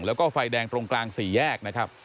แล้วก็ไฟแดงตรงกลางสี่แยกนะครับ